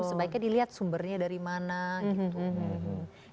sebaiknya dilihat sumbernya dari mana gitu